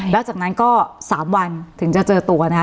แล้วจากนั้นก็๓วันถึงจะเจอตัวนะคะ